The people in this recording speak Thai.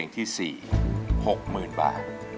นี่ไงพลาดทางออกเลย